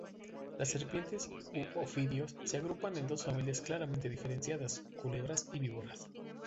Las serpientes, u ofidios se agrupan en dos familias claramente diferenciadas, culebras y víboras.